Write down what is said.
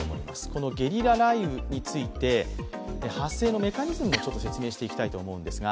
このゲリラ雷雨について発生のメカニズムを説明していきたいんですが